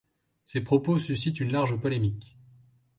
Ses propos suscitent une large polémique.